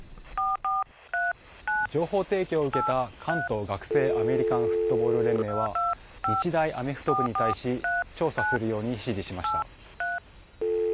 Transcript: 情報提供を受けた関東学生アメリカンフットボール連盟は日大アメフト部に対し調査するように指示しました。